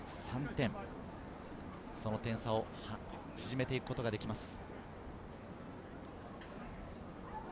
点差を縮めていくことができます。